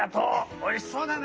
おいしそうだね。